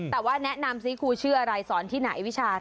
แต่ว่าแนะนำคุณกูเชื่อที่ไหนสอนที่ไหน